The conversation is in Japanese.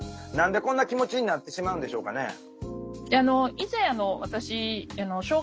何でこんな気持ちになってしまうんでしょうかね？